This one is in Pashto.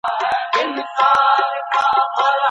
د ماسټرۍ برنامه په چټکۍ نه ارزول کیږي.